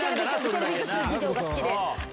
テレビ局事情が好きで。